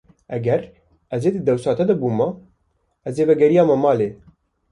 Eger ez di dewsa te de bûma, ez ê vegeriyama malê.